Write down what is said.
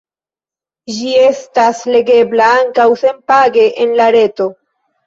Ĝi estas legebla ankaŭ senpage en la reto.